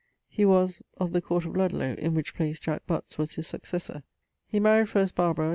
He was ... of the court of Ludlowe (in which place Jack Butts was his successor). He maried first Barbara